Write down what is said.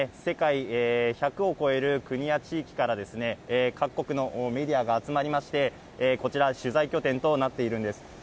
世界１００を超える国や地域から、各国のメディアが集まりまして、こちら、取材拠点となっているんです。